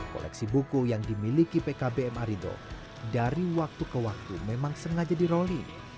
koleksi buku yang dimiliki pkbm arido dari waktu ke waktu memang sengaja diroli